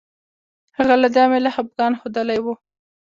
هغه له دې امله خپګان ښودلی وو.